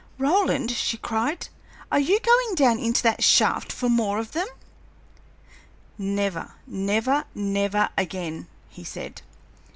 "Roland," she cried, "are you going down into that shaft for more of them?" "Never, never, never again," he said.